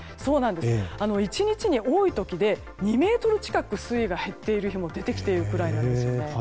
１日に多い時で２ｍ近く水位が減っている日も出てきているくらいなんです。